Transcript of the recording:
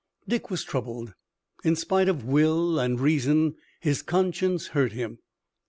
Dick was troubled. In spite of will and reason, his conscience hurt him.